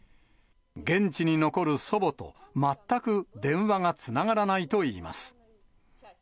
現地に残る祖母と、全く電話がつながらないと言います。